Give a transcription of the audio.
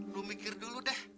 lu mikir dulu deh